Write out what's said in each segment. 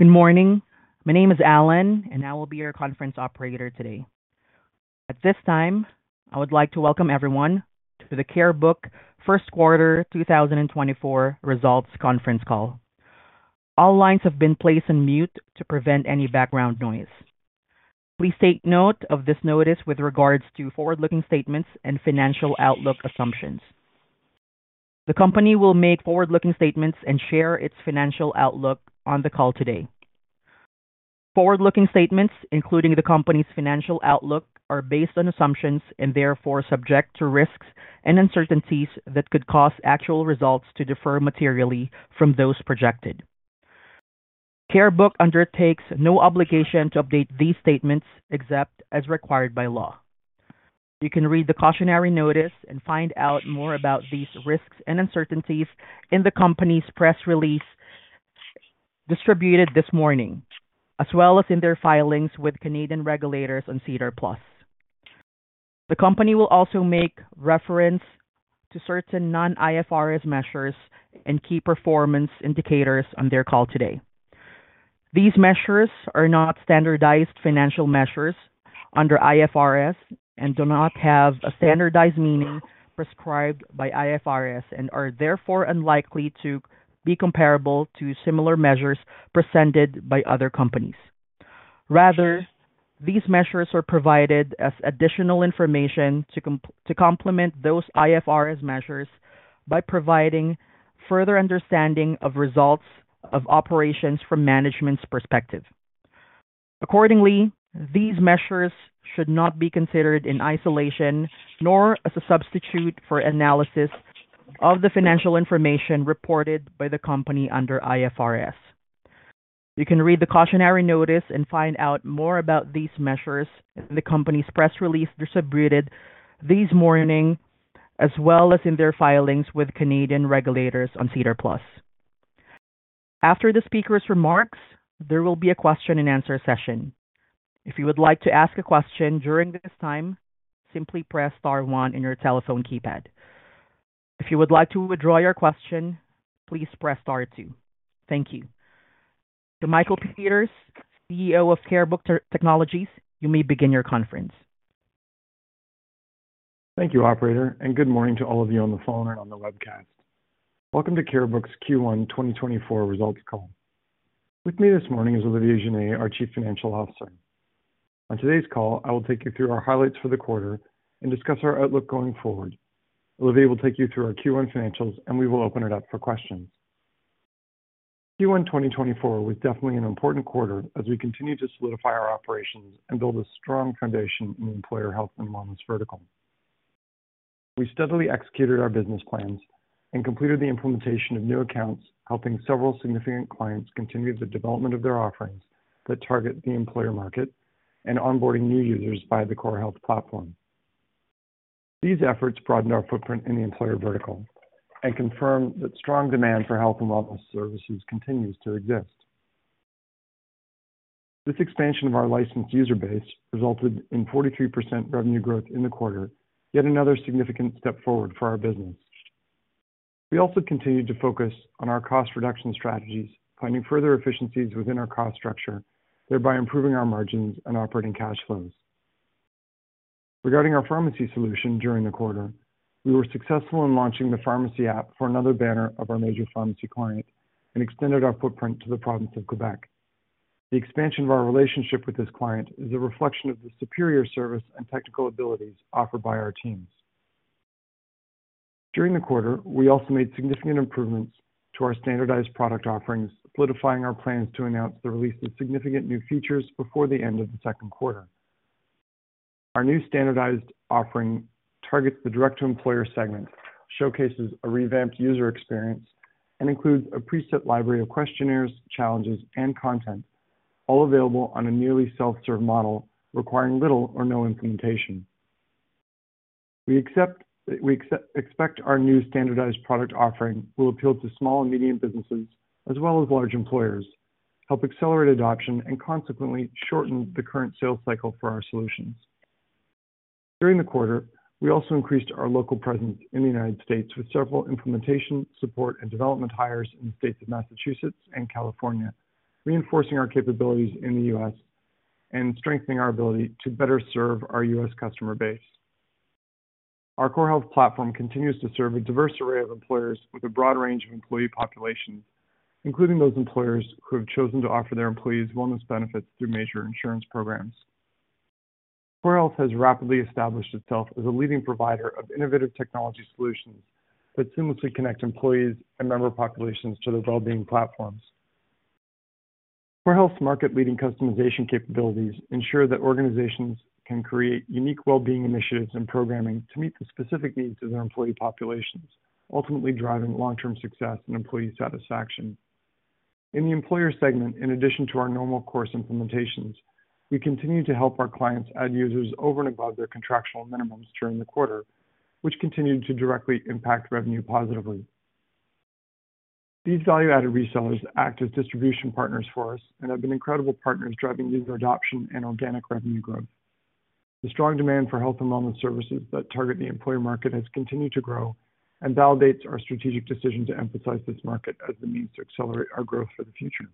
Good morning. My name is Allen, and I will be your conference operator today. At this time, I would like to welcome everyone to the Carebook First Quarter 2024 Results Conference Call. All lines have been placed on mute to prevent any background noise. Please take note of this notice with regards to forward-looking statements and financial outlook assumptions. The company will make forward-looking statements and share its financial outlook on the call today. Forward-looking statements, including the company's financial outlook, are based on assumptions and therefore subject to risks and uncertainties that could cause actual results to differ materially from those projected. Carebook undertakes no obligation to update these statements except as required by law. You can read the cautionary notice and find out more about these risks and uncertainties in the company's press release distributed this morning, as well as in their filings with Canadian regulators on SEDAR+. The company will also make reference to certain non-IFRS measures and key performance indicators on their call today. These measures are not standardized financial measures under IFRS and do not have a standardized meaning prescribed by IFRS and are therefore unlikely to be comparable to similar measures presented by other companies. Rather, these measures are provided as additional information to complement those IFRS measures by providing further understanding of results of operations from management's perspective. Accordingly, these measures should not be considered in isolation nor as a substitute for analysis of the financial information reported by the company under IFRS. You can read the cautionary notice and find out more about these measures in the company's press release distributed this morning, as well as in their filings with Canadian regulators on SEDAR+. After the speaker's remarks, there will be a question-and-answer session. If you would like to ask a question during this time, simply press star one in your telephone keypad. If you would like to withdraw your question, please press star two. Thank you. To Michael Peters, CEO of Carebook Technologies, you may begin your conference. Thank you, operator, and good morning to all of you on the phone and on the webcast. Welcome to Carebook's Q1 2024 results call. With me this morning is Olivier Giner, our Chief Financial Officer. On today's call, I will take you through our highlights for the quarter and discuss our outlook going forward. Olivier will take you through our Q1 financials, and we will open it up for questions. Q1 2024 was definitely an important quarter as we continue to solidify our operations and build a strong foundation in the employer health and wellness vertical. We steadily executed our business plans and completed the implementation of new accounts, helping several significant clients continue the development of their offerings that target the employer market and onboarding new users via the CoreHealth platform. These efforts broadened our footprint in the employer vertical and confirmed that strong demand for health and wellness services continues to exist. This expansion of our licensed user base resulted in 43% revenue growth in the quarter, yet another significant step forward for our business. We also continued to focus on our cost reduction strategies, finding further efficiencies within our cost structure, thereby improving our margins and operating cash flows. Regarding our pharmacy solution during the quarter, we were successful in launching the pharmacy app for another banner of our major pharmacy client and extended our footprint to the province of Quebec. The expansion of our relationship with this client is a reflection of the superior service and technical abilities offered by our teams. During the quarter, we also made significant improvements to our standardized product offerings, solidifying our plans to announce the release of significant new features before the end of the second quarter. Our new standardized offering targets the direct-to-employer segment, showcases a revamped user experience, and includes a preset library of questionnaires, challenges, and content, all available on a nearly self-serve model requiring little or no implementation. We expect our new standardized product offering will appeal to small and medium businesses as well as large employers, help accelerate adoption, and consequently shorten the current sales cycle for our solutions. During the quarter, we also increased our local presence in the United States with several implementation, support, and development hires in the states of Massachusetts and California, reinforcing our capabilities in the US and strengthening our ability to better serve our US customer base. Our CoreHealth platform continues to serve a diverse array of employers with a broad range of employee populations, including those employers who have chosen to offer their employees wellness benefits through major insurance programs. CoreHealth has rapidly established itself as a leading provider of innovative technology solutions that seamlessly connect employees and member populations to their well-being platforms. CoreHealth's market-leading customization capabilities ensure that organizations can create unique well-being initiatives and programming to meet the specific needs of their employee populations, ultimately driving long-term success and employee satisfaction. In the employer segment, in addition to our normal course implementations, we continue to help our clients add users over and above their contractual minimums during the quarter, which continue to directly impact revenue positively. These value-added resellers act as distribution partners for us and have been incredible partners driving user adoption and organic revenue growth. The strong demand for health and wellness services that target the employer market has continued to grow and validates our strategic decision to emphasize this market as the means to accelerate our growth for the future.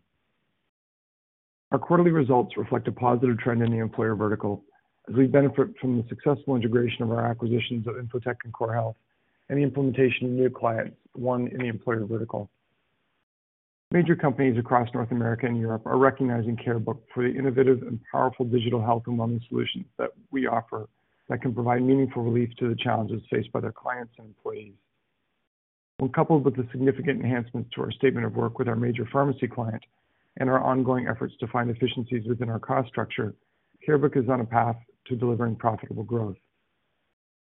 Our quarterly results reflect a positive trend in the employer vertical as we benefit from the successful integration of our acquisitions of InfoTech and CoreHealth and the implementation of new clients, one in the employer vertical. Major companies across North America and Europe are recognizing Carebook for the innovative and powerful digital health and wellness solutions that we offer that can provide meaningful relief to the challenges faced by their clients and employees. When coupled with the significant enhancements to our statement of work with our major pharmacy client and our ongoing efforts to find efficiencies within our cost structure, Carebook is on a path to delivering profitable growth.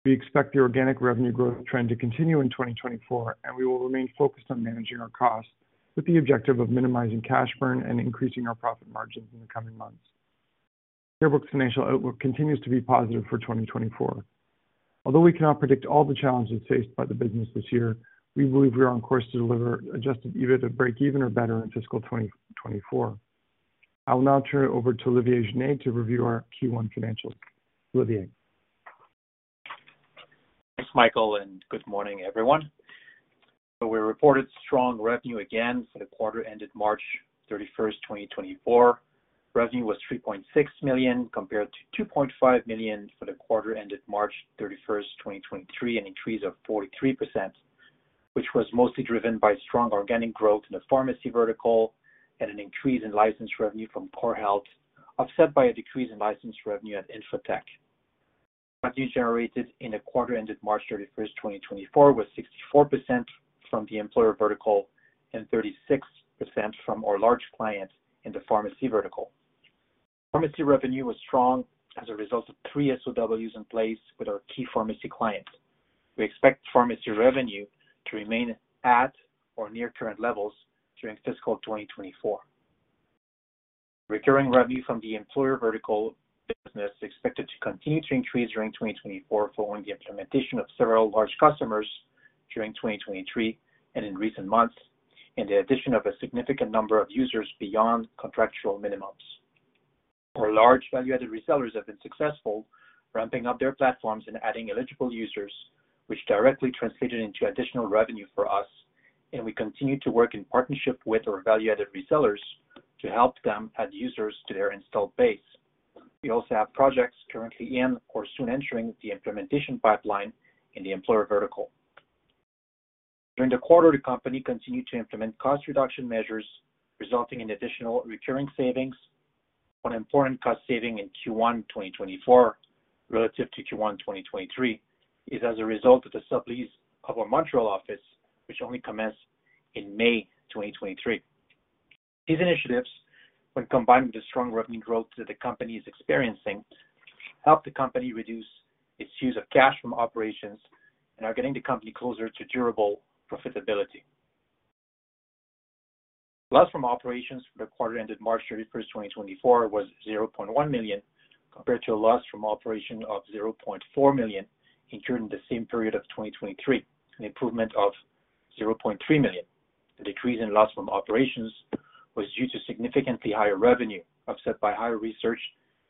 We expect the organic revenue growth trend to continue in 2024, and we will remain focused on managing our costs with the objective of minimizing cash burn and increasing our profit margins in the coming months. Carebook's financial outlook continues to be positive for 2024. Although we cannot predict all the challenges faced by the business this year, we believe we are on course to deliver Adjusted EBIDTA break-even or better in fiscal 2024. I will now turn it over to Olivier Giner to review our Q1 financials. Olivier. Thanks, Michael, and good morning, everyone. So we reported strong revenue again for the quarter ended March 31st, 2024. Revenue was 3.6 million compared to 2.5 million for the quarter ended March 31st, 2023, an increase of 43%, which was mostly driven by strong organic growth in the pharmacy vertical and an increase in licensed revenue from CoreHealth, offset by a decrease in licensed revenue at InfoTech. Revenue generated in the quarter ended March 31st, 2024, was 64% from the employer vertical and 36% from our large client in the pharmacy vertical. Pharmacy revenue was strong as a result of three SOWs in place with our key pharmacy client. We expect pharmacy revenue to remain at or near current levels during fiscal 2024. Recurring revenue from the employer vertical business is expected to continue to increase during 2024 following the implementation of several large customers during 2023 and in recent months, in addition to a significant number of users beyond contractual minimums. Our large value-added resellers have been successful ramping up their platforms and adding eligible users, which directly translated into additional revenue for us, and we continue to work in partnership with our value-added resellers to help them add users to their installed base. We also have projects currently in or soon entering the implementation pipeline in the employer vertical. During the quarter, the company continued to implement cost reduction measures resulting in additional recurring savings. One important cost saving in Q1 2024 relative to Q1 2023 is as a result of the sublease of our Montreal office, which only commenced in May 2023. These initiatives, when combined with the strong revenue growth that the company is experiencing, help the company reduce its use of cash from operations and are getting the company closer to durable profitability. Loss from operations for the quarter ended March 31st, 2024, was 0.1 million compared to a loss from operation of 0.4 million incurred in the same period of 2023, an improvement of 0.3 million. The decrease in loss from operations was due to significantly higher revenue, offset by higher research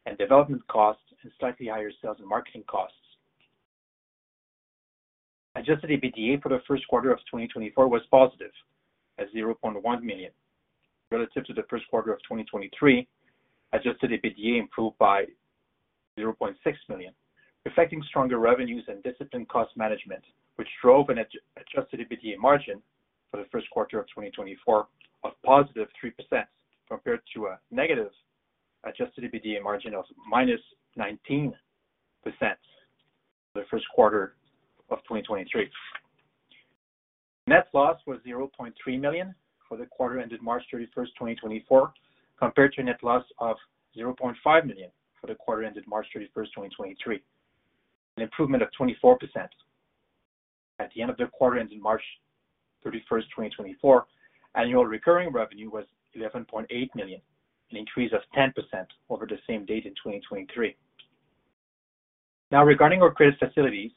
and development costs, and slightly higher sales and marketing costs. Adjusted EBITDA for the first quarter of 2024 was positive at 0.1 million relative to the first quarter of 2023. Adjusted EBITDA improved by 0.6 million, reflecting stronger revenues and disciplined cost management, which drove an adjusted EBITDA margin for the first quarter of 2024 of +3% compared to a negative adjusted EBITDA margin of -19% for the first quarter of 2023. Net loss was 0.3 million for the quarter ended March 31st, 2024, compared to a net loss of 0.5 million for the quarter ended March 31st, 2023, an improvement of 24%. At the end of the quarter ended March 31st, 2024, annual recurring revenue was 11.8 million, an increase of 10% over the same date in 2023. Now, regarding our credit facilities,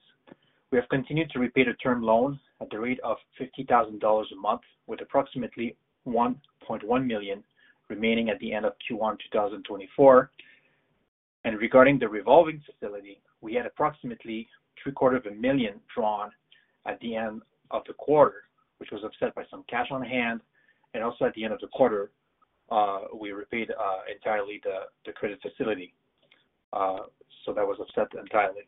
we have continued to repay the term loan at the rate of 50,000 dollars a month, with approximately 1.1 million remaining at the end of Q1 2024. Regarding the revolving facility, we had approximately 0.75 million drawn at the end of the quarter, which was offset by some cash on hand. And also at the end of the quarter, we repaid entirely the credit facility. So that was offset entirely.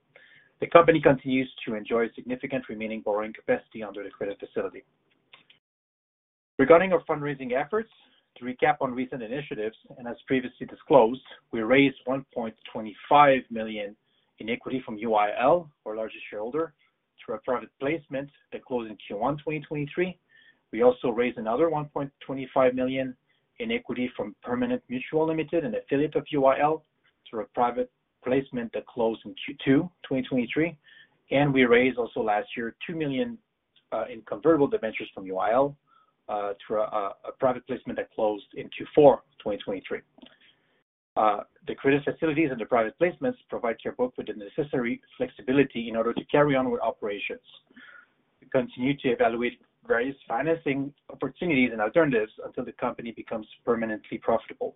The company continues to enjoy significant remaining borrowing capacity under the credit facility. Regarding our fundraising efforts, to recap on recent initiatives, and as previously disclosed, we raised 1.25 million in equity from UIL, our largest shareholder, through a private placement that closed in Q1 2023. We also raised another 1.25 million in equity from Permanent Mutual Limited, an affiliate of UIL, through a private placement that closed in Q2 2023. And we raised also last year 2 million in convertible debentures from UIL through a private placement that closed in Q4 2023. The credit facilities and the private placements provide Carebook with the necessary flexibility in order to carry on with operations. We continue to evaluate various financing opportunities and alternatives until the company becomes permanently profitable.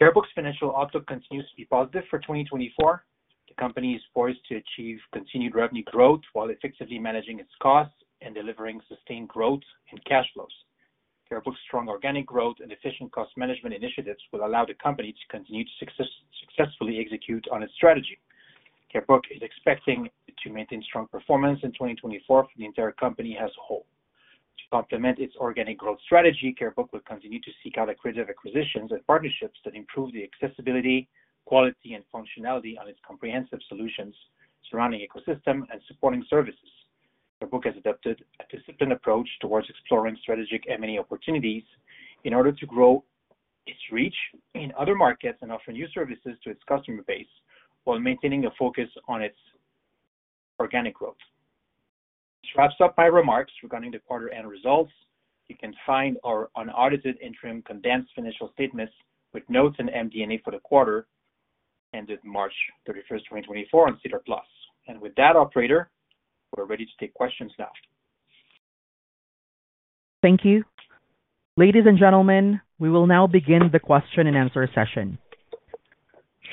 Carebook's financial outlook continues to be positive for 2024. The company is poised to achieve continued revenue growth while effectively managing its costs and delivering sustained growth in cash flows. Carebook's strong organic growth and efficient cost management initiatives will allow the company to continue to successfully execute on its strategy. Carebook is expecting to maintain strong performance in 2024 for the entire company as a whole. To complement its organic growth strategy, Carebook will continue to seek out accretive acquisitions and partnerships that improve the accessibility, quality, and functionality on its comprehensive solutions, surrounding ecosystem, and supporting services. Carebook has adopted a disciplined approach towards exploring strategic M&A opportunities in order to grow its reach in other markets and offer new services to its customer base while maintaining a focus on its organic growth. This wraps up my remarks regarding the quarter-end results. You can find our unaudited interim condensed financial statements with notes and MD&A for the quarter ended March 31st, 2024, on SEDAR+. With that, operator, we're ready to take questions now. Thank you. Ladies and gentlemen, we will now begin the question-and-answer session.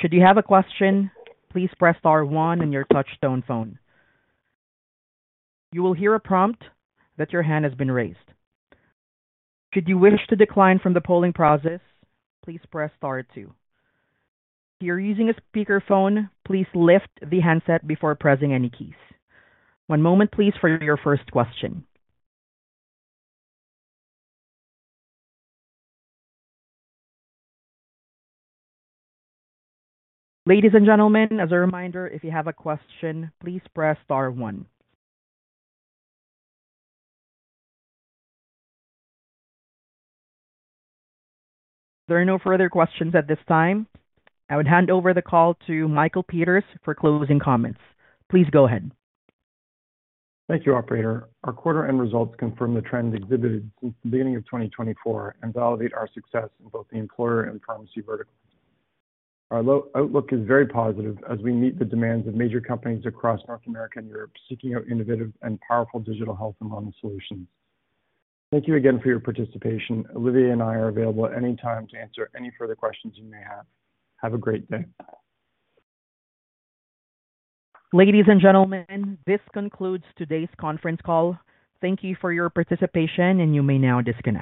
Should you have a question, please press star one on your touch-tone phone. You will hear a prompt that your hand has been raised. Should you wish to decline from the polling process, please press star two. If you're using a speakerphone, please lift the handset before pressing any keys. One moment, please, for your first question. Ladies and gentlemen, as a reminder, if you have a question, please press star one. There are no further questions at this time. I would hand over the call to Michael Peters for closing comments. Please go ahead. Thank you, operator. Our quarter-end results confirm the trends exhibited since the beginning of 2024 and validate our success in both the employer and pharmacy verticals. Our outlook is very positive as we meet the demands of major companies across North America and Europe seeking out innovative and powerful digital health and wellness solutions. Thank you again for your participation. Olivier and I are available at any time to answer any further questions you may have. Have a great day. Ladies and gentlemen, this concludes today's conference call. Thank you for your participation, and you may now disconnect.